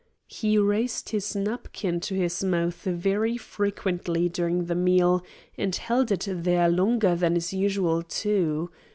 "He raised his napkin to his mouth very frequently during the meal and held it there longer than is usual, too.